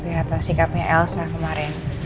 di atas sikapnya elsa kemarin